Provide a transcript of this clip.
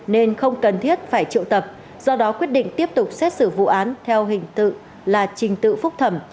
nên không cần thiết phải triệu tập do đó quyết định tiếp tục xét xử vụ án theo hình tự là trình tự phúc thẩm